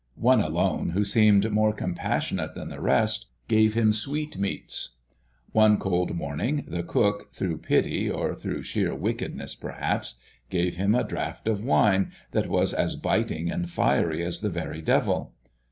One alone, who seemed more compassionate than the rest, gave him sweetmeats. One cold morning the cook, through pity or through sheer wickedness perhaps, gave him a draught of wine that was as biting and fiery as the very devil.